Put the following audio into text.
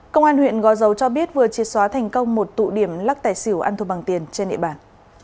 công an huyện gò dầu cho biết vừa triệt xóa thành công một tụ điểm lắc tài xỉu ăn thua bằng tiền trên địa bàn